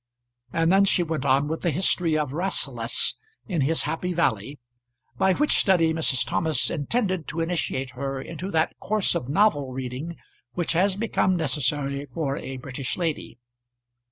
And then she went on with the history of "Rasselas" in his happy valley, by which study Mrs. Thomas intended to initiate her into that course of novel reading which has become necessary for a British lady.